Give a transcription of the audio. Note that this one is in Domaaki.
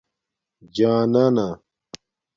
جانانا